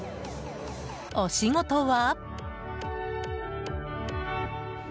お仕事は？